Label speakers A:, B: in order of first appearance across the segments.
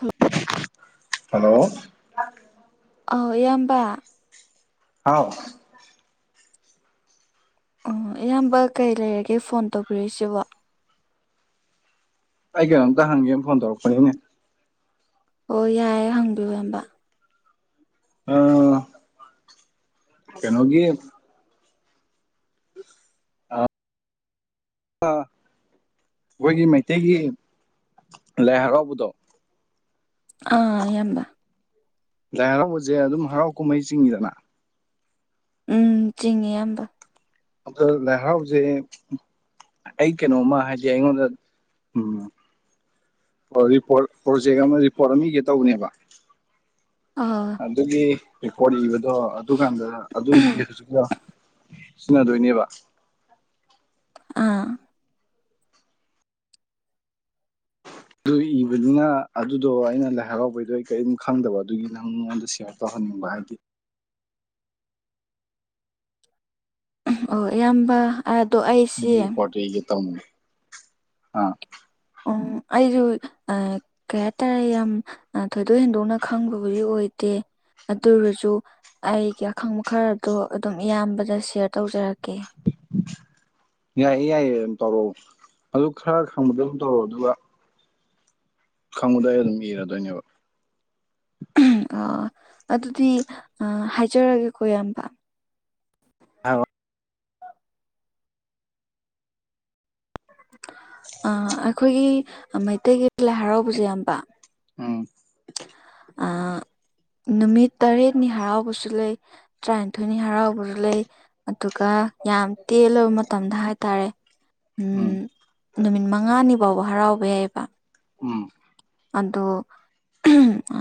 A: hello
B: hello
A: ꯑꯥꯎ ꯏꯌꯥꯝꯕ
B: ꯍꯥꯎ
A: ꯑꯣ ꯏꯌꯥꯝꯕ ꯀꯩ ꯂꯩꯔꯒꯦ ꯐꯣꯟ ꯇꯧꯕꯤꯔꯛꯏꯁꯤꯕꯣ
B: ꯑꯩ ꯀꯩꯅꯣꯝꯇ ꯍꯪꯒꯦꯅ ꯐꯣꯟ ꯇꯧꯔꯛꯄꯅꯤꯅꯦ
A: ꯑꯣ ꯌꯥꯏꯦ ꯍꯪꯕꯤꯌꯣ ꯍꯝꯕ
B: ꯑ ꯀꯩꯅꯣꯒꯤ ꯑꯩꯈꯣꯏꯒꯤ ꯃꯩꯇꯩꯒꯤ ꯂꯥꯏ ꯍꯔꯥꯎꯕꯗꯣ
A: ꯑꯥ ꯌꯥꯝꯝꯕ
B: ꯂꯥꯏ ꯍꯔꯥꯎꯕꯁꯦ ꯑꯗꯨꯝ ꯍꯔꯥꯎ ꯀꯨꯝꯍꯩ ꯆꯤꯡꯉꯤꯗꯅ
A: ꯎꯝ ꯆꯤꯡꯉꯦ ꯏꯌꯥꯝꯕ
B: ꯑꯗ ꯂꯩꯥꯏꯍꯔꯥꯎꯁꯦ ꯑꯩ ꯀꯩꯅꯣꯝꯃ ꯍꯥꯏꯗꯤ ꯑꯩꯉꯣꯟꯗ ꯎꯝ ꯑꯣ ꯔꯤꯄꯣꯔꯠ ꯄ꯭ꯔꯣꯖꯦꯛ ꯑꯃ ꯔꯤꯄꯣꯔꯠ ꯑꯅꯤꯒ ꯇꯧꯕꯅꯦꯕ
A: ꯑ
B: ꯑꯗꯨꯒꯤ ꯔꯦꯀꯣꯔꯠ ꯏꯕꯗꯣ ꯑꯗꯨꯀꯥꯟꯗ ꯑꯗꯨꯒꯤ ꯍꯧꯖꯤꯛ ꯁꯤꯖꯤꯟꯅꯗꯣꯏꯅꯦꯕ
A: ꯑꯥ
B: ꯑꯗꯨꯏ ꯑꯣꯏꯕꯅꯤꯅ ꯑꯗꯨꯗꯣ ꯑꯩꯅ ꯂꯥꯏ ꯍꯔꯥꯎꯕꯩꯗꯣ ꯑꯩ ꯀꯔꯤꯝ ꯈꯪꯗꯕ ꯑꯗꯨꯒꯤ ꯅꯪ ꯃꯤꯉꯣꯟꯗ ꯁꯤꯌꯔ ꯇꯧꯍꯟꯅꯤꯡꯕ ꯍꯥꯏꯗꯤ
A: ꯑꯣ ꯑꯌꯥꯝꯕ ꯑꯗꯣ ꯑꯩ
B: ꯄꯣꯠꯒꯦ ꯇꯧꯅꯤ ꯑ
A: ꯑꯣ ꯑꯩ ꯑ ꯀꯦꯇꯔ ꯌꯥꯝꯝ ꯊꯣꯏꯗꯣꯛ ꯍꯦꯟꯗꯣꯛꯅ ꯈꯪꯕꯕꯨꯗꯤ ꯑꯣꯏꯗꯦ ꯑꯗꯨꯔꯁꯨ ꯑꯩꯒꯤ ꯑꯈꯪꯕ ꯈꯔꯗꯣ ꯑꯗꯨꯝ ꯏꯌꯥꯝꯕꯗ ꯁꯌꯥꯔ ꯇꯧꯖꯔꯛꯀꯦ
B: ꯌꯥꯏꯌꯦ ꯌꯥꯏꯌꯦ ꯑꯗꯨꯝ ꯇꯧꯔꯛꯑꯣ ꯑꯗꯨ ꯈꯔ ꯈꯪꯕꯗ ꯑꯗꯨꯝ ꯇꯧꯔꯛꯑꯣ ꯑꯗꯨꯒ ꯈꯪꯕꯗ ꯑꯩ ꯑꯗꯨꯝ ꯏꯔꯗꯣꯏꯅꯦꯕ
A: ꯑ ꯑꯗꯨꯗꯤ ꯍꯥꯏꯖꯔꯒꯦꯀꯣ ꯏꯌꯥꯝꯕ ꯑꯩꯈꯣꯏꯒꯤ ꯃꯩꯇꯩꯒꯤ ꯂꯥꯏ ꯍꯔꯥꯎꯕꯁꯦ ꯌꯥꯝ ꯄ
B: ꯎꯝ
A: ꯅꯨꯃꯤꯠ ꯇꯔꯦꯠꯅꯤ ꯍꯔꯥꯎꯕꯁꯨ ꯂꯩ ꯇꯔꯥꯅꯤꯊꯣꯏꯅꯤ ꯍꯔꯥꯎꯕꯁꯨ ꯂꯩ ꯑꯗꯨꯒ ꯌꯥꯝ ꯇꯦꯜꯂꯕ ꯃꯇꯝꯗ ꯍꯥꯏꯇꯥꯔꯦ ꯎꯝ ꯅꯨꯃꯤꯠ ꯃꯉꯥꯅꯤ ꯐꯥꯎꯕ ꯍꯔꯥꯎꯕ ꯌꯥꯏꯑꯕ
B: ꯎꯝ
A: ꯑꯗꯣ ꯑ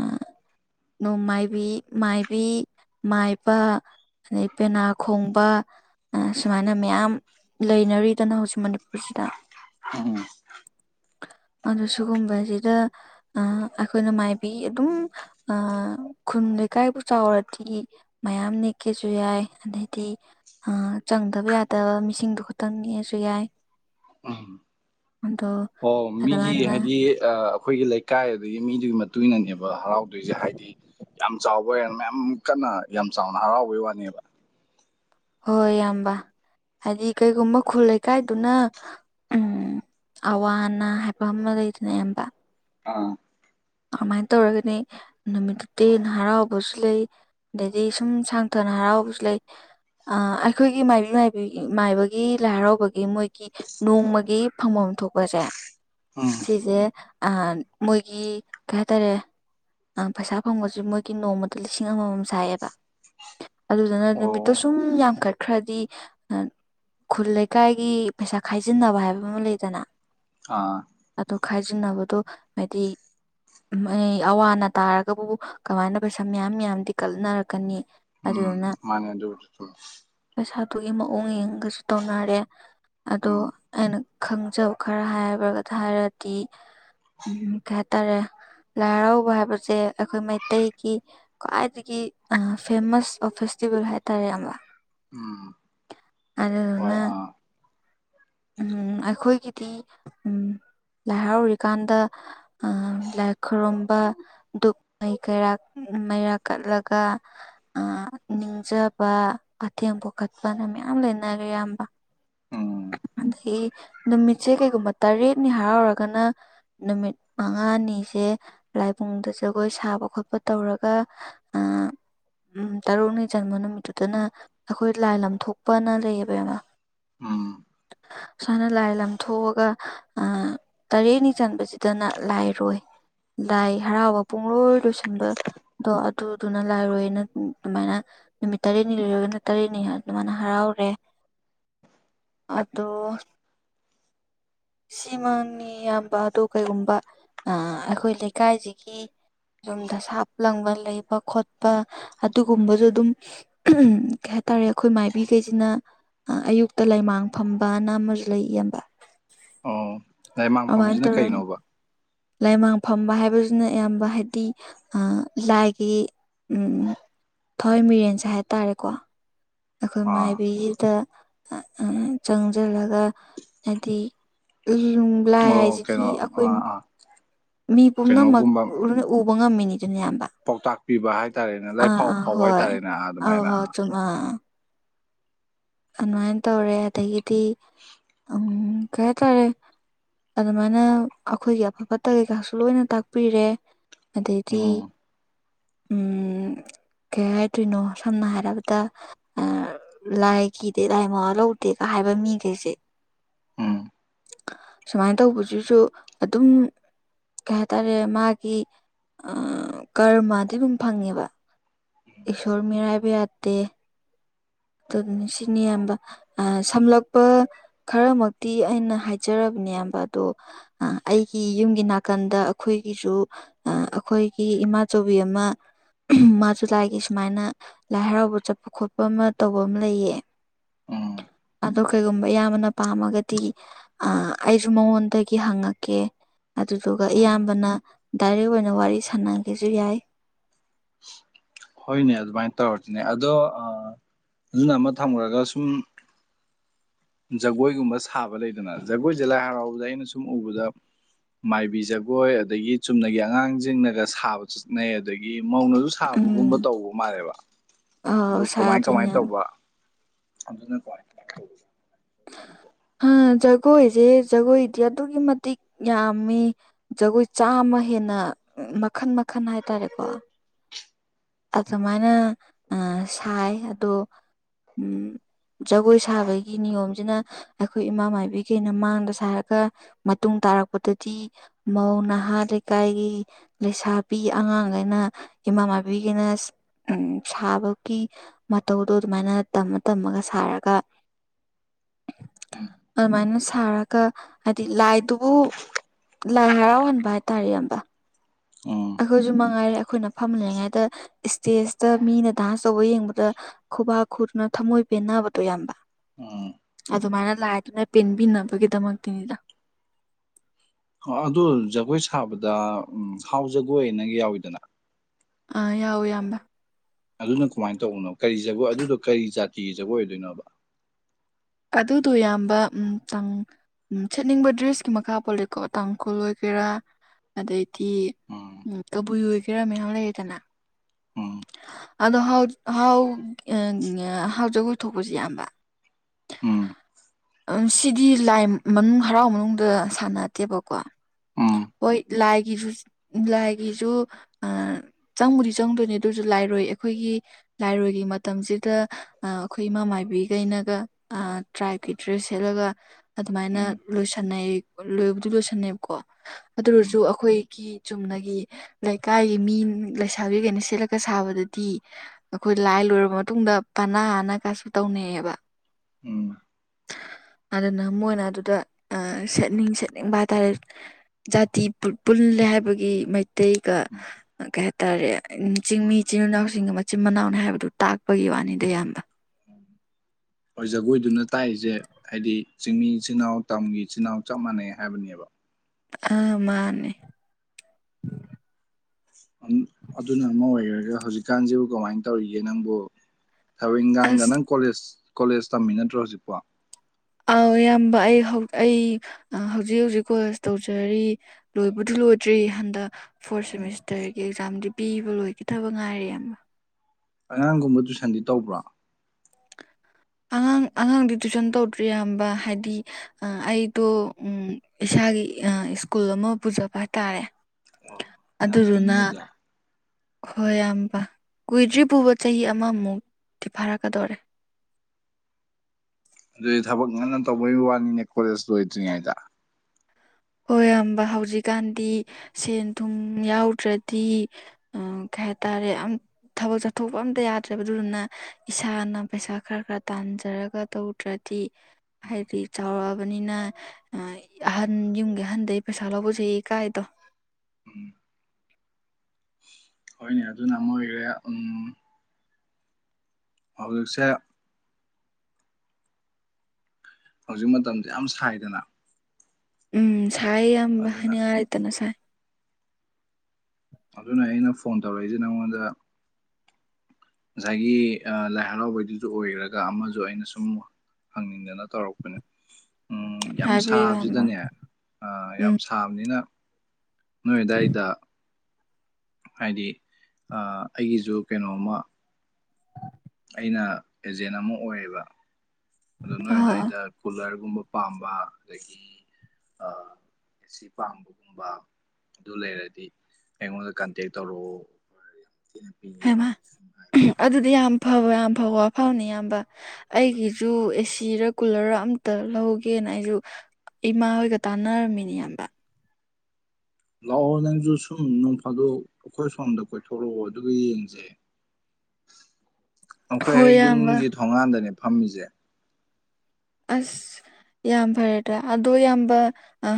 A: ꯅꯣꯡ ꯃꯥꯏꯕꯤ ꯃꯥꯏꯕꯤ ꯃꯥꯏꯕ ꯑꯗꯩ ꯄꯦꯅꯥ ꯈꯣꯡꯕ ꯁꯨꯃꯥꯏꯅ ꯃꯌꯥꯝ ꯂꯩꯅꯔꯤꯗꯅ ꯍꯧꯖꯤꯛ ꯃꯅꯤꯄꯨꯔꯁꯤꯗ
B: ꯎꯝ
A: ꯑꯗꯨ ꯁꯤꯒꯨꯝꯕꯁꯤꯗ ꯑꯩꯈꯣꯏꯅ ꯃꯥꯏꯕꯤ ꯑꯗꯨꯝ ꯑ ꯈꯨꯟ ꯂꯩꯀꯥꯏꯕꯨ ꯆꯥꯎꯔꯗꯤ ꯃꯌꯥꯝ ꯅꯦꯛꯀꯦꯁꯨ ꯌꯥꯏ ꯑꯗꯩꯗꯤ ꯑ ꯆꯪꯗꯕ ꯌꯥꯗꯕ ꯃꯤꯁꯤꯡꯗꯣ ꯈꯛꯇꯪ ꯅꯦꯛꯑꯁꯨ ꯌꯥꯏ
B: ꯑ
A: ꯑꯗꯣ
B: ꯑꯣ ꯃꯤꯒꯤ
A: ꯑꯗꯨꯃꯥꯏꯅ
B: ꯍꯥꯏꯗꯤ ꯑ ꯑꯩꯈꯣꯏꯒꯤ ꯂꯩꯀꯥꯏ ꯑꯗꯒꯤ ꯃꯤꯗꯨꯒꯤ ꯃꯇꯨꯡ ꯏꯟꯅꯅꯦꯕ ꯍꯔꯥꯎꯗꯣꯏꯁꯦ ꯍꯥꯏꯗꯤ ꯌꯥꯝ ꯆꯥꯎꯕ ꯑꯣꯏꯔꯦ ꯃꯌꯥꯝ ꯀꯟꯅ ꯌꯥꯝ ꯆꯥꯎꯅ ꯍꯔꯥꯎꯕꯩ ꯋꯥꯅꯦꯕ
A: ꯍꯣꯏ ꯏꯌꯥꯝꯕ ꯍꯥꯏꯗꯤ ꯀꯩꯒꯨꯝꯕ ꯈꯨꯜ ꯂꯩꯀꯥꯏꯗꯨꯅ ꯎꯝ ꯑꯋꯥ ꯑꯅꯥ ꯍꯥꯏꯕ ꯑꯃ ꯂꯩꯗꯅ ꯑꯌꯥꯝꯕ
B: ꯑꯥ
A: ꯑꯗꯨꯃꯥꯏꯅ ꯇꯧꯔꯒꯅꯤ ꯅꯨꯃꯤꯠꯇ ꯇ ꯍꯔꯥꯎꯕꯁꯨ ꯂꯩ ꯑꯗꯩꯗꯒꯤ ꯁꯨꯝ ꯁꯥꯡꯊꯅ ꯍꯔꯥꯎꯕꯁꯨ ꯂꯩ ꯑ ꯑꯩꯈꯣꯏꯒꯤ ꯃꯥꯏꯕꯤ ꯃꯥꯏꯕꯤ ꯃꯥꯏꯕꯒꯤ ꯂꯥꯏ ꯍꯔꯥꯎꯕꯒꯤ ꯃꯣꯏ ꯅꯣꯡꯃꯒꯤ ꯐꯪꯐꯝ ꯊꯣꯛꯄꯁꯦ
B: ꯑꯥ
A: ꯁꯤꯁꯦ ꯃꯣꯏꯒꯤ ꯀꯩ ꯍꯥꯏꯇꯥꯔꯦ ꯑꯪ ꯄꯩꯁꯥ ꯐꯪꯕꯁꯨ ꯃꯣꯏꯒꯤ ꯅꯣꯡꯃꯗ ꯂꯤꯁꯤꯡ ꯑꯃꯃꯝ ꯁꯥꯏꯑꯦꯕ ꯑꯗꯨꯗꯨꯅ
B: ꯑꯣ
A: ꯅꯨꯃꯤꯠꯇꯣ ꯁꯨꯝ ꯌꯥꯝꯈꯠꯈ꯭ꯔꯗꯤ ꯈꯨꯜ ꯂꯩꯀꯥꯏꯒꯤ ꯄꯩꯁꯥ ꯈꯥꯏꯖꯤꯟꯅꯕ ꯍꯥꯏꯕ ꯑꯃ ꯂꯩꯗꯅ
B: ꯑꯥ
A: ꯑꯗꯣ ꯈꯥꯏꯖꯤꯟꯅꯕꯗꯣ ꯍꯥꯏꯗꯤ ꯑꯋꯥ ꯑꯅꯥ ꯇꯥꯔꯒꯕꯨ ꯀꯃꯥꯏꯅ ꯄꯩꯁꯥ ꯃꯌꯥꯝ ꯃꯌꯥꯝꯗꯤ ꯀꯠꯅꯔꯛꯀꯅꯤ
B: ꯎꯝ
A: ꯑꯗꯨꯗꯨꯅ
B: ꯃꯥꯅꯦ ꯑꯗꯨꯁꯨ
A: ꯄꯩꯁꯥꯗꯨꯒꯤ ꯃꯑꯣꯡ ꯌꯦꯡꯒꯁꯨ ꯇꯧꯅꯔꯦ ꯑꯗꯣ
B: ꯎꯝ
A: ꯑꯩꯅ ꯈꯪꯖꯕ ꯈꯔ ꯍꯥꯏꯔꯒ ꯍꯥꯏꯔꯗꯤ ꯎ ꯀꯩ ꯍꯥꯏꯇꯥꯔꯦ ꯂꯥꯏ ꯍꯔꯥꯎꯕ ꯍꯥꯏꯕꯁꯦ ꯑꯩꯈꯣꯏ ꯃꯩꯇꯩꯒꯤ ꯈ꯭ꯋꯥꯏꯗꯒꯤ ꯐꯦꯃꯁ ꯐꯦꯁꯇꯤꯚꯦꯜ ꯍꯥꯏꯇꯥꯔꯦꯂ
B: ꯎꯝ
A: ꯑ
B: ꯍꯣꯏ
A: ꯑꯗꯨꯅ
B: ꯑꯥ
A: ꯎꯝ ꯑꯩꯈꯣꯏꯒꯤꯗꯤ ꯎꯝ ꯂꯥꯏꯍꯔꯥꯎꯔꯤꯀꯥꯟꯗ ꯑ ꯂꯥꯏ ꯈꯨꯔꯨꯝꯝꯕ ꯗꯨꯛꯩ ꯀ ꯃꯩꯔꯥ ꯀꯠꯂꯒ ꯅꯤꯡꯖꯕ ꯑꯊꯦꯡ ꯄꯣꯛꯈꯠꯄꯅ ꯃꯌꯥꯝ ꯂꯩꯅꯔ꯭ꯔꯦ ꯑꯌꯥꯝꯕ
B: ꯎꯝ
A: ꯑꯗꯒꯤ ꯅꯨꯃꯤꯠꯁꯦ ꯀꯩꯒꯨꯝꯕ ꯇꯔꯦꯠꯅꯤ ꯍꯥꯏꯔꯥꯎꯔꯒꯅ ꯅꯨꯃꯤꯠ ꯃꯉꯥꯅꯤꯁꯦ ꯂꯥꯏꯕꯨꯡꯗ ꯖꯒꯣꯏ ꯁꯥꯕ ꯈꯣꯠꯄ ꯇꯧꯔꯒ
B: [unintelligible]
A: ꯎꯝ ꯇꯔꯨꯛꯅꯤ ꯟꯃ ꯅꯨꯃꯤꯠꯇꯨꯗꯅ ꯑꯩꯈꯣꯏ ꯂꯥꯏ ꯂꯊꯣꯛꯄꯅ ꯂꯩꯌꯦꯕꯃ
B: ꯎꯝ
A: ꯁꯨꯃꯅ ꯂꯥꯏ ꯂꯊꯣꯛꯑꯒ ꯑ ꯇꯔꯦꯠꯅꯤ ꯆꯟꯕꯁꯤꯗꯅ ꯂꯥꯏꯔꯣꯏ ꯂꯥꯏ ꯍꯔꯥꯎꯕ ꯄꯨꯡꯂꯣꯏ ꯂꯣꯏꯁꯤꯟꯕ ꯑꯗꯣ ꯑꯗꯨꯗꯨꯅ ꯂꯥꯏꯔꯣꯏꯅ ꯑꯗꯨꯃꯥꯏꯅ ꯅꯨꯃꯤꯠ ꯇꯔꯦꯠꯅꯤ ꯂꯩꯔꯒꯅ ꯇꯔꯦꯠꯅꯤ ꯑꯗꯨꯃꯥꯏꯅ ꯍꯔꯥꯎꯔꯦ ꯑꯗꯨꯗꯣ ꯁꯤꯃꯅꯤ ꯏꯌꯥꯝꯕ ꯑꯗ ꯀꯩꯒꯨꯝꯕ ꯑꯩꯈꯣꯏ ꯂꯩꯀꯥꯏꯁꯤꯒꯤ ꯌꯨꯝꯗ ꯁꯥꯞ ꯂꯪꯕ ꯂꯩꯕ ꯈꯣꯠꯄ ꯑꯗꯨꯒꯨꯝꯕꯁꯨ ꯑꯗꯨꯝ ꯀꯩ ꯍꯥꯏꯇꯥꯔꯦ ꯑꯩꯈꯣꯏ ꯃꯥꯏꯕꯤꯈꯩꯁꯤꯅ ꯑ ꯑꯌꯨꯛꯇ ꯂꯩꯃꯥꯡ ꯐꯝꯕꯅꯥ ꯑꯃꯁꯨ ꯂꯩꯕ
B: ꯑꯣ ꯂꯩꯏꯃꯥꯡꯐꯝꯁꯤꯅ
A: ꯇꯧꯔꯒ
B: ꯀꯩꯅꯣꯕ
A: ꯂꯥꯏꯃꯥꯡ ꯐꯝꯕ ꯍꯥꯏꯕꯁꯤꯅ ꯑꯌꯥꯝꯕ ꯍꯥꯏꯗꯤ ꯂꯥꯏꯒꯤ ꯊꯣꯏ ꯃꯤꯔꯦꯟꯁꯦ ꯍꯥꯏꯇꯥꯔꯦꯀꯣ ꯑꯩꯈꯣꯏ
B: ꯑꯥ
A: ꯃꯥꯏꯕꯤꯁꯤꯗ ꯆꯪꯁꯤꯜꯂꯒ ꯍꯥꯏꯗꯤ ꯂꯅꯨꯡ ꯂꯥꯏ
B: ꯑꯣ
A: ꯍꯥꯏꯁꯤꯗꯤ
B: ꯀꯩꯅꯣ
A: ꯑꯩꯈꯣꯏ
B: ꯑꯥ ꯑꯥ
A: ꯃꯤ ꯄꯨꯝꯅꯃꯛ
B: ꯀꯩꯅꯣꯒꯨꯝꯕ
A: ꯂꯣꯏꯅ ꯎꯕ ꯉꯝꯃꯤꯅꯤ ꯑꯗꯨꯅꯌꯥꯝꯕ
B: ꯄꯥꯎꯇꯥꯛ ꯄꯤꯕ ꯍꯥꯏꯇꯥꯔꯦꯅꯦ ꯂꯐꯥꯎꯕ ꯐꯥꯎꯕ
A: ꯍꯣꯏ
B: ꯍꯥꯏꯇꯥꯔꯦꯅꯦ
A: ꯑꯧ
B: ꯑꯗꯨꯃꯥꯏꯅ
A: ꯍꯣꯏ ꯆꯨꯝ ꯑꯥ ꯑꯗꯨꯃꯥꯏꯅ ꯇꯧꯔꯦ ꯑꯗꯒꯤꯗꯤ ꯎꯝ ꯀꯩ ꯍꯥꯏꯇꯥꯔꯦ ꯑꯗꯨꯃꯥꯏꯅ ꯑꯩꯈꯣꯏꯒꯤ ꯑꯐ ꯐꯠꯇ ꯀꯩꯀꯥꯁꯨ ꯂꯣꯏꯅ ꯇꯥꯛꯄꯤꯔꯦ ꯑꯗꯩꯗꯤ
B: ꯎꯝ [unintelligible]
A: ꯎꯝ ꯀꯩ ꯍꯥꯏꯗꯣꯏꯅꯣ ꯁꯝꯅ ꯍꯥꯏꯔꯕꯗ ꯂꯥꯏꯛ ꯀꯤꯗꯦ ꯂꯥꯏꯃ ꯂꯧꯗꯦꯒ ꯍꯥꯏꯕ ꯃꯤꯈꯩꯁꯦ
B: ꯎꯝ
A: ꯁꯨꯃꯥꯏꯅ ꯇꯧꯕꯁꯤꯁꯨ ꯑꯗꯨꯝ ꯀꯩ ꯍꯥꯏꯇꯥꯔꯦ ꯃꯥꯒꯤ ꯀꯔꯃꯗꯤ ꯑꯗꯨꯝ ꯐꯪꯉꯦꯕ ꯏꯁꯣꯔ ꯃꯤꯔꯥꯏꯕ ꯌꯥꯗꯦ ꯑꯗꯨꯅꯤ ꯁꯤꯅꯤ ꯑꯕ ꯁꯝꯂꯛꯄ ꯈꯔꯃꯛꯇꯤ ꯑꯩꯅ ꯍꯥꯏꯖꯔꯕꯅꯦ ꯑꯌꯥꯝꯕ ꯑꯗꯣ ꯑ ꯑꯩꯒꯤ ꯌꯨꯝꯒꯤ ꯅꯥꯀꯟꯗ ꯑꯩꯈꯣꯏꯒꯤꯁꯨ ꯑꯩꯈꯣꯏꯒꯤ ꯏꯃꯥꯆꯕꯤ ꯑꯃ ꯃꯥꯁꯨ ꯂꯥꯏꯒꯤ ꯁꯨꯃꯥꯏꯅ ꯂꯥꯏ ꯍꯔꯥꯎꯕ ꯆꯠꯄ ꯈꯣꯠꯄ ꯑꯃ ꯇꯧꯕ ꯑꯃ ꯂꯩꯌꯦ
B: ꯎꯝ
A: ꯑꯗꯣ ꯀꯩꯒꯨꯝꯕ ꯑꯌꯥꯝꯕꯅ ꯄꯥꯝꯃꯒꯗꯤ ꯑ ꯑꯩꯁꯨ ꯃꯉꯣꯟꯗꯒꯤ ꯍꯪꯉꯛꯀꯦ ꯑꯗꯨꯗꯨꯒ
B: ꯎꯝ
A: ꯑꯌꯥꯝꯕꯅ ꯗꯥꯏꯔꯦꯛ ꯑꯣꯏꯅ ꯋꯥꯔꯤ ꯁꯥꯟꯅꯒꯦꯁꯨ ꯌꯥꯏ
B: ꯍꯣꯏꯅꯦ ꯑꯗꯨꯃꯥꯏꯅ ꯇꯧꯔꯗꯤꯅꯦ ꯑꯗꯣ ꯑꯗꯨꯅ ꯑꯃ ꯊꯝꯈ꯭ꯔꯒ ꯁꯨꯝ ꯖꯒꯣꯏꯒꯨꯝꯕ ꯁꯥꯕ ꯂꯩꯗꯅ ꯖꯒꯣꯏꯁꯦ ꯂꯥꯏ ꯍꯔꯥꯎꯕꯗ ꯑꯩꯅ ꯁꯨꯝ ꯎꯕꯗ ꯃꯥꯏꯕꯤ ꯖꯒꯣꯏ ꯑꯗꯒꯤ ꯆꯨꯝꯅꯒꯤ ꯑꯉꯥꯡꯁꯤꯡꯅꯒ ꯁꯥꯕ ꯆꯠꯅꯩ ꯑꯗꯒꯤ ꯃꯧꯅꯁꯨ ꯁꯥꯕ
A: ꯎꯝ
B: ꯑꯗꯨꯒꯒꯨꯝꯕ ꯇꯧꯕ ꯃꯥꯜꯂꯦꯕ
A: ꯑꯥꯎ
B: ꯑꯗꯨ ꯀꯃꯥꯏ
A: ꯁꯥꯗꯣꯏꯅꯦ
B: ꯀꯃꯥꯏ
A: ꯌꯥꯝꯅ
B: ꯇꯧꯕ ꯑꯗꯨꯅꯀꯣ
A: ꯍꯥ ꯖꯒꯣꯏꯁꯦ ꯖꯒꯣꯏꯗꯤ ꯑꯗꯨꯛꯀꯤ ꯃꯇꯤꯛ ꯌꯥꯝꯃꯤ ꯖꯒꯣꯏ ꯆꯥꯃ ꯍꯦꯟꯅ ꯃꯈꯟ ꯃꯈꯟ ꯍꯥꯏꯇꯥꯔꯦꯀꯣ ꯑꯗꯨꯃꯥꯏꯅ ꯑ ꯁꯥꯏ ꯑꯗꯣ ꯎꯝ ꯖꯒꯣꯏ ꯁꯥꯕꯒꯤ ꯅꯤꯌꯣꯝ ꯑꯗꯨꯅ ꯑꯩꯈꯣꯏ ꯏꯃꯥ ꯃꯥꯏꯕꯤꯈꯩꯅ ꯃꯥꯡꯗ ꯁꯥꯔꯒ ꯃꯇꯨꯡ ꯇꯥꯔꯛꯄꯗꯗꯤ ꯃꯧ ꯅꯍꯦ ꯀꯥꯏ ꯂꯩꯁꯥꯕꯤ ꯑꯉꯥꯡꯈꯅ ꯏꯃꯥ ꯃꯕꯤꯒꯅ ꯎ ꯁꯥꯕꯒꯤ ꯃꯇꯧꯗꯣ ꯑꯗꯨꯃꯥꯏꯅ ꯇꯝꯃ ꯇꯝꯃꯒ ꯁꯥꯔꯒ
B: ꯎꯝ
A: ꯑꯗꯨꯃꯥꯏꯅ ꯁꯥꯔꯒ ꯍꯥꯏꯗꯤ ꯂꯥꯏꯗꯨꯕꯨ ꯂꯥꯏ ꯍꯔꯥꯎꯍꯟꯕ ꯍꯥꯏꯇꯥꯔꯦ ꯑꯝꯕ
B: ꯎꯝ
A: ꯑꯩꯈꯣꯏꯁꯨ ꯃꯉꯥꯏꯔꯦ ꯑꯩꯈꯣꯏꯅ ꯐꯝꯂꯤꯉꯩꯗ ꯏꯁꯇꯦꯖꯇ ꯃꯤꯅ ꯗꯥꯟꯁ ꯇꯧꯕ ꯌꯦꯡꯕꯗ ꯈꯨꯕꯥꯛ ꯈꯨꯔꯅ ꯊꯃꯣꯏ ꯄꯦꯟꯅꯕꯗꯣ ꯌꯥꯝꯕ
B: ꯎꯝ
A: ꯑꯗꯨꯃꯥꯏꯅ ꯂꯥꯏꯗꯨꯅ ꯄꯦꯟꯕꯤꯅꯕꯒꯤꯗꯃꯛꯇꯤꯅꯤꯗ
B: ꯑꯗꯨ ꯖꯒꯣꯏ ꯁꯥꯕꯗ ꯎꯝ ꯍꯥꯎ ꯖꯒꯣꯏꯅ ꯌꯥꯎꯋꯤꯗꯅ
A: ꯑꯥ ꯌꯥꯎꯋ ꯏꯌꯥꯝꯕ
B: ꯑꯗꯨꯅ ꯀꯃꯥꯏꯅ ꯇꯧꯕꯅꯣ ꯀꯔꯤ ꯖꯒꯣꯏ ꯑꯗꯨꯗꯣ ꯀꯔꯤ ꯖꯥꯇꯤꯒꯤ ꯖꯒꯣꯏ ꯑꯣꯏꯗꯣꯏꯅꯣꯕ
A: ꯑꯗꯨꯗꯨꯣ ꯑꯌꯥꯝꯕ ꯎꯝꯪ ꯎꯝ ꯁꯠꯅꯤꯡꯕ ꯗ꯭ꯔꯦꯁꯀꯤ ꯃꯈꯥ ꯄꯣꯜꯂꯦꯀꯣ ꯇꯥꯡꯈꯨꯜ ꯑꯣꯏꯒꯦꯔꯥ ꯑꯗꯩꯗꯤ
B: ꯎꯝ
A: ꯀꯕꯨꯏ ꯑꯣꯏꯒꯦꯔꯥ ꯃꯌꯥꯝ ꯂꯩꯌꯦꯦꯗꯅ
B: ꯎꯝ
A: ꯑꯗꯣ ꯍꯥꯎ ꯍꯥꯎ ꯖꯒꯣꯏ ꯊꯣꯛꯄꯁꯦ ꯑꯌꯥꯝꯕ
B: ꯎꯝ
A: ꯁꯤꯗꯤ ꯂꯥꯏ ꯃꯅꯨꯡ ꯍꯔꯥꯎ ꯃꯅꯨꯡꯗ ꯁꯥꯟꯅꯗꯦꯕꯀꯣ
B: ꯎꯝ
A: ꯍꯣꯏ ꯂꯥꯏꯒꯤꯁꯨ ꯂꯥꯏꯒꯤꯁꯨ ꯆꯪꯕꯨꯗꯤ ꯆꯪꯗꯣꯏꯅꯦ ꯑꯗꯨꯁꯨ ꯂꯥꯏꯔꯣꯏ ꯑꯩꯈꯣꯏꯒꯤ ꯂꯥꯏꯔꯣꯏꯒꯤ ꯃꯇꯝꯁꯤꯗ ꯑꯩꯈꯣꯏ ꯏꯃꯥ ꯃꯥꯏꯕꯤꯈꯩꯅꯒ ꯇ꯭ꯔꯥꯏꯞꯀꯤ ꯗ꯭ꯔꯦꯁ ꯁꯦꯠꯂꯒ ꯑꯗꯨꯃꯥꯏꯅ
B: ꯎꯝ
A: ꯂꯣꯏꯁꯟꯅꯩ ꯂꯣꯏꯕꯗꯤ ꯂꯣꯏꯁꯟꯅꯩꯕꯀꯣ ꯑꯗꯨꯔꯁꯨ
B: ꯎꯝ
A: ꯑꯩꯈꯣꯏꯒꯤ ꯆꯨꯝꯅꯒꯤ ꯂꯩꯀꯥꯏꯒꯤ ꯃꯤ ꯂꯩꯁꯥꯕꯤꯈꯩꯅ ꯁꯦꯠꯂꯛ ꯀ ꯁꯥꯕꯗꯗꯤ ꯑꯩꯈꯣꯏ ꯂꯥꯏ ꯂꯣꯏꯔꯕ ꯃꯇꯨꯡꯗ ꯄꯅꯥ ꯑꯅ ꯀꯁꯨ ꯇꯧꯅꯩꯑꯌꯦꯕ
B: ꯎꯝ
A: ꯑꯗꯨꯅ ꯃꯣꯏꯅ ꯑꯗꯨꯗ ꯁꯦꯠꯅꯤꯡ ꯁꯦꯠꯅꯤꯡꯕ ꯍꯥꯏꯇꯥꯔꯦ ꯖꯥꯇꯤ ꯄꯨꯜꯂꯦ ꯍꯥꯏꯕꯒꯤ ꯃꯩꯇꯩꯒ ꯀꯩ ꯍꯥꯏꯇꯥꯔꯦ ꯆꯤꯡꯃꯤ
B: ꯎꯝ
A: ꯏꯆꯤꯟ ꯏꯅꯥꯎꯁꯤꯡꯒ ꯃꯆꯤꯟ ꯃꯅꯥꯎꯅꯤ ꯍꯥꯏꯕꯗꯨ ꯇꯥꯛꯄꯒꯤ ꯋꯥꯅꯤꯗ ꯑꯌꯥꯝꯕ
B: ꯍꯣꯏ ꯖꯒꯣꯏꯗꯨꯅ ꯇꯥꯛꯏꯖꯦ ꯍꯥꯏꯗꯤ ꯆꯤꯡꯃꯤ ꯏꯆꯤꯟ ꯏꯅꯥꯎ ꯇꯝꯒꯤ ꯏꯆꯤꯜ ꯏꯅꯥꯎ ꯆꯞ ꯃꯥꯟꯅꯩ ꯍꯥꯏꯕꯅꯦꯕ
A: ꯑ ꯃꯥꯅꯦ
B: ꯑꯗꯨꯅ ꯑꯃ ꯑꯣꯏꯔꯒ ꯍꯧꯖꯤꯛꯀꯥꯟꯖꯤꯕꯨ ꯀꯃꯥꯏꯟ ꯇꯧꯔꯤꯒꯦ ꯅꯪꯕꯨ ꯊꯕꯛ ꯏꯟꯒꯥꯡꯒ
A: ꯑꯁ
B: ꯅꯪ ꯀꯣꯂꯦꯖ ꯀꯣꯂꯦꯖ ꯇꯝꯃꯤ ꯅꯠꯇ꯭ꯔꯣ ꯍꯧꯖꯤꯛꯄꯣ
A: ꯑꯥꯎ ꯏꯌꯥꯝꯕ ꯑꯩ ꯑꯩ ꯍꯧꯖꯤꯛ ꯍꯧꯖꯤꯛ ꯀꯣꯁ ꯇꯧꯖꯔꯤ ꯂꯣꯏꯕꯗꯨ ꯂꯣꯏꯗ꯭ꯔꯤ ꯍꯟꯗꯛ ꯐꯣꯔꯠ
B: ꯎꯝ
A: ꯁꯦꯃꯤꯁꯇꯔꯒꯤ ꯑꯦꯛꯖꯥꯝꯗꯤ ꯄꯤꯕ ꯂꯣꯏꯒꯤꯇꯕ ꯉꯥꯏꯔꯦ ꯌꯥꯝꯕ
B: ꯑꯉꯥꯡꯒꯨꯝꯕ ꯇꯨꯏꯁꯟꯗꯤ ꯇꯧꯕ꯭ꯔꯣ
A: ꯑꯉꯥꯡ ꯑꯉꯥꯡꯗꯤ ꯇꯨꯏꯁꯟ ꯇꯧꯗ꯭ꯔꯤ ꯑꯌꯥꯝꯕ ꯍꯥꯏꯗꯤ ꯑꯩꯗꯣ ꯎꯝ ꯏꯁꯥꯒꯤ ꯁ꯭ꯀꯨꯜ ꯑꯃ ꯄꯨꯖꯕ ꯍꯥꯏꯇꯥꯥꯔꯦ
B: ꯌꯥꯝ
A: ꯑꯗꯨꯗꯨꯅ
B: ꯐꯩꯅꯦ ꯑꯗꯨꯗꯤ
A: ꯍꯣꯏ
B: ꯎꯝ
A: ꯌꯥꯝꯕ ꯀꯨꯏꯗ꯭ꯔꯤ ꯄꯨꯕ ꯆꯍꯤ ꯑꯃꯃꯨꯛ ꯇꯤꯐꯥꯔꯛꯀꯗꯧꯔꯦ
B: ꯑꯗꯨꯗꯤ ꯊꯕꯛ ꯉꯟꯅ ꯇꯧꯕꯒꯤ ꯋꯥꯅꯤꯅꯦ ꯀꯣꯂꯦꯖ ꯂꯣꯏꯗ꯭ꯔꯤꯉꯩꯗ
A: ꯑꯣꯏ ꯏꯌꯥꯔꯝꯕ ꯍꯧꯖꯤꯛꯀꯥꯟꯗꯤ ꯁꯦꯟ ꯊꯨꯝ ꯌꯥꯎꯗ꯭ꯔꯗꯤ ꯀꯩ ꯍꯥꯏꯇꯥꯔꯦ ꯊꯕꯛ ꯆꯠꯊꯣꯛꯄ ꯑꯝꯇ ꯌꯥꯗ꯭ꯔꯦꯕ ꯑꯗꯨꯗꯨꯅ ꯏꯁꯥꯅ ꯄꯩꯁꯥ ꯈꯔ ꯈꯔ ꯇꯥꯟꯖꯔꯒ ꯇꯧꯗ꯭ꯔꯗꯤ ꯍꯥꯏꯗꯤ ꯆꯥꯎꯔꯛꯑꯕꯅꯤꯅ ꯑꯍꯟ ꯌꯨꯝ ꯑꯍꯟꯗꯩ ꯄꯩꯁꯥ ꯂꯧꯕꯖꯨ ꯏꯀꯥꯏꯗꯣ
B: ꯎꯝ ꯍꯣꯏꯅꯦ ꯑꯗꯨꯅ ꯑꯃ ꯑꯣꯏꯒ꯭ꯔꯦ ꯎꯝ ꯍꯧꯖꯤꯛꯁꯦ ꯍꯧꯖꯤꯛ ꯃꯇꯝꯖꯦ ꯌꯥꯝ ꯁꯥꯏꯗꯅ
A: ꯎꯝ ꯁꯥꯏ ꯑꯌꯥꯝꯕ
B: ꯑꯗꯨꯅ
A: ꯍꯥꯏꯅꯤꯉꯥꯏ ꯂꯩꯇꯅ ꯁꯥꯏ
B: ꯑꯗꯨꯅ ꯑꯩꯅ ꯐꯣꯟ ꯇꯧꯔꯛꯏꯖꯦ ꯅꯪꯉꯣꯟꯗ ꯉꯁꯥꯏꯒꯤ ꯂꯥꯏ ꯍꯔꯥꯎꯕꯩꯗꯨꯖꯨ ꯑꯣꯏꯒ꯭ꯔꯒ ꯑꯃꯖꯨ ꯑꯩꯅ ꯁꯨꯝ ꯍꯪꯅꯤꯡꯗꯅ ꯇꯧꯔꯛꯄꯅꯦ ꯎꯝ ꯌꯥꯝ
A: ꯍꯥꯏꯕꯤꯌꯨ ꯏꯌꯥꯝꯕ
B: ꯁꯥꯕꯖꯤꯗꯅꯦ ꯌꯥꯝ
A: ꯎꯝ
B: ꯁꯥꯕꯅꯤꯅ ꯅꯣꯏ ꯑꯗꯥꯏꯗ ꯍꯥꯏꯗꯤ ꯑꯩꯒꯤꯖꯨ ꯀꯩꯅꯣꯝꯃ ꯑꯩꯅ ꯑꯦꯖꯦꯟ ꯑꯃ ꯑꯣꯏꯌꯦꯕ ꯑꯗꯣ ꯅꯣꯏ
A: ꯑꯥ ꯑꯥ
B: ꯑꯗꯨꯗꯥꯏꯗ ꯀꯨꯂꯔꯒꯨꯝꯕ ꯄꯥꯝꯕ ꯑꯗꯒꯤ ꯑꯦꯁꯤ ꯄꯥꯝꯕꯒꯨꯝꯕ ꯑꯗꯨ ꯂꯩꯔꯗꯤ ꯑꯩꯉꯣꯟꯗ ꯀꯟꯇꯦꯛ ꯇꯧꯔꯛꯑꯣ ꯌꯥꯝ ꯊꯤꯅ ꯄꯤꯒꯦꯅ
A: ꯍꯥꯏꯃ
B: ꯑꯩ ꯁꯨꯝ ꯍꯥꯏꯕꯅꯤꯗ
A: ꯑꯗꯨꯗꯤ ꯌꯥꯝ ꯐꯕ ꯌꯥꯝ ꯐꯕ ꯋꯥꯐꯝꯅꯤ ꯏꯌꯥꯝꯕ ꯑꯩꯒꯤꯖꯨ ꯑꯦꯁꯤꯔ ꯀꯨꯂꯔ ꯑꯃꯝꯇ ꯂꯧꯒꯦꯅ ꯑꯩꯖꯨ ꯏꯃꯥ ꯍꯣꯏꯒ ꯇꯥꯟꯅꯔꯝꯃꯤꯅꯦ ꯏꯌꯥꯝꯕ
B: ꯂꯥꯛꯑꯣ ꯅꯪꯖꯨ ꯁꯨꯝ ꯅꯣꯡ ꯐꯥꯗꯣꯛ ꯑꯩꯈꯣꯏ ꯁꯣꯝꯗ ꯀꯣꯏꯊꯣꯛꯂꯛꯑꯣ ꯑꯗꯨꯒ ꯌꯦꯡꯖꯦ ꯑꯩꯈꯣꯏ
A: ꯍꯣꯏ
B: ꯍꯦꯛ
A: ꯏꯌꯥꯝꯕ
B: ꯌꯨꯝꯒꯤ ꯊꯣꯡꯉꯥꯟꯗꯅꯦ ꯐꯝꯃꯤꯖꯦ
A: ꯑꯁ ꯌꯥꯝ ꯐꯔꯦ ꯗ ꯑꯗꯣ ꯏꯌꯥꯝꯕ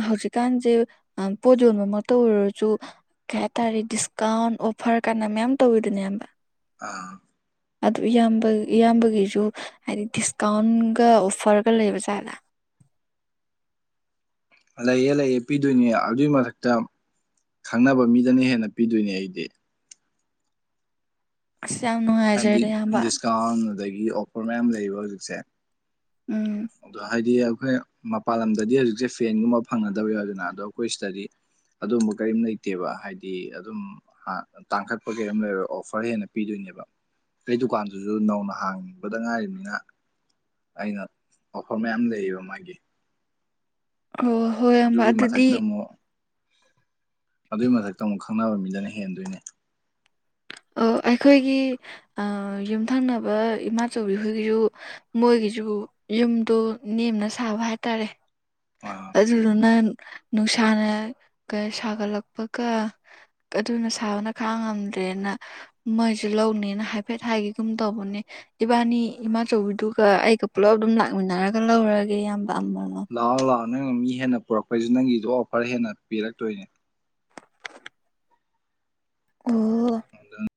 A: ꯍꯧꯖꯤꯛꯀꯥꯟꯖꯦ ꯑꯥ ꯄꯣꯠ ꯌꯣꯟꯕ ꯃꯠꯇ ꯑꯣꯏꯔꯖꯨ ꯀꯩ ꯍꯥꯏꯇꯥꯔꯦ ꯗꯤꯁꯀꯥꯎꯟ ꯑꯣꯐꯔ ꯀꯥꯅ ꯃꯌꯥꯝ ꯇꯧꯋꯤꯗꯅꯦ ꯏꯌꯥꯝꯕ
B: ꯑꯥ
A: ꯑꯗꯨ ꯏꯌꯥꯝꯕ ꯏꯌꯥꯝꯕꯒꯤꯖꯨ ꯍꯥꯏꯗꯤ ꯗꯤꯁꯀꯥꯎꯟꯒ ꯑꯣꯐꯔꯒ ꯂꯩꯕ ꯖꯥꯠꯗ
B: ꯂꯩꯌꯦ ꯂꯩꯌꯦ ꯄꯤꯗꯣꯏꯅꯦ ꯑꯗꯨꯏ ꯃꯊꯛꯇ ꯈꯪꯅꯕ ꯃꯤꯗꯅ ꯍꯦꯟꯅ ꯄꯤꯗꯣꯏꯅꯦ ꯑꯩꯗꯤ
A: ꯑꯁ ꯌꯥꯝ ꯅꯨꯡꯉꯥꯏ
B: ꯍꯥꯏꯗꯤ ꯗꯤꯁꯀꯥꯎꯟ ꯑꯗꯒꯤ ꯑꯣꯐꯔ ꯃꯌꯥꯝ ꯂꯩꯌꯦꯕ ꯍꯧꯖꯤꯛꯁꯦ
A: ꯎꯝ
B: ꯑꯗꯣ ꯍꯥꯏꯗꯤ ꯑꯩꯈꯣꯏ ꯃꯄꯥꯟ ꯂꯝꯗꯗꯤ ꯍꯧꯖꯤꯛꯁꯦ ꯐꯦꯟꯒꯨꯝꯕ ꯐꯪꯒꯗꯕ ꯌꯥꯎꯏꯗꯅ ꯑꯗꯣ ꯑꯩꯈꯣꯏ ꯁꯤꯗꯗꯤ ꯑꯗꯨꯒꯨꯝꯕ ꯀꯔꯤꯝ ꯂꯩꯇꯦꯕ ꯍꯥꯏꯗꯤ ꯑꯗꯨꯝ ꯇꯥꯡꯈꯠꯄ ꯀꯩꯝ ꯂꯩꯔꯣꯏ ꯑꯣꯐꯔ ꯍꯦꯟꯅ ꯄꯤꯗꯣꯏꯅꯦꯕ ꯑꯩ ꯗꯨꯀꯥꯟꯗꯨꯁꯨ ꯅꯧꯅ ꯍꯥꯡꯅꯤꯡꯕꯗ ꯉꯥꯏꯔꯤꯕꯅꯤꯅ ꯑꯩꯅ ꯑꯣꯐꯔ ꯃꯌꯥꯝ ꯂꯩꯌꯦꯕ ꯃꯥꯒꯤ
A: ꯑꯣ ꯍꯣꯏ ꯑꯝꯕ
B: ꯑꯗꯨꯒꯤ
A: ꯑꯗꯨꯗꯤ
B: ꯃꯊꯛꯇ ꯑꯗꯨꯏ ꯃꯊꯛꯇ ꯑꯃꯨꯛ ꯈꯪꯅꯕ ꯃꯤꯗꯅ ꯍꯦꯟꯗꯣꯏꯅꯦ
A: ꯑꯣ ꯑꯩꯈꯣꯏꯒꯤ ꯌꯨꯝꯊꯪꯅꯕ ꯏꯃꯥꯆꯤꯈꯣꯏꯒꯤꯁꯨ ꯃꯣꯏꯒꯤꯁꯨ ꯌꯨꯝꯗꯣ ꯅꯦꯝꯅ ꯁꯥꯕ ꯍꯥꯏꯇꯥꯔꯦ
B: ꯑ
A: ꯑꯗꯨꯗꯨꯅ ꯅꯨꯡꯁꯥꯅꯒ ꯁꯥꯒꯠꯂꯛꯄꯒ ꯑꯗꯨꯅ ꯁꯥꯕꯅ ꯈꯥꯡꯉꯝꯗ꯭ꯔꯦꯅ ꯃꯣꯏꯁꯨ ꯂꯧꯅꯦꯅ ꯍꯥꯏꯐꯦꯠ ꯍꯥꯏꯒꯒꯨꯝ ꯇꯧꯕꯅꯦ ꯏꯕꯥꯅꯤ ꯏꯃꯥꯆꯧꯕꯤꯗꯨꯒ ꯑꯩꯒ ꯄꯨꯜꯂꯞ ꯑꯗꯨꯝ ꯂꯥꯛꯃꯤꯟꯅꯔꯒ ꯂꯧꯔꯒꯦ ꯏꯌꯥꯝꯕ ꯑꯃꯝꯕ ꯑꯃ
B: ꯂꯥꯛꯑꯣ ꯂꯥꯛꯑꯣ ꯅꯪꯅ ꯃꯤ ꯍꯦꯟꯅ ꯄꯨꯔꯛꯄꯩꯁꯤ ꯅꯪꯒꯤꯗꯣ ꯑꯣꯐꯔ ꯍꯦꯟꯅ ꯄꯤꯔꯛꯇꯣꯏꯅꯦ
A: ꯑꯣ